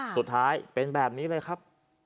สุดท้ายเป็นแบบนี้เลยครับ